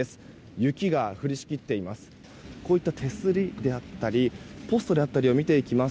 雪が降りしきっています。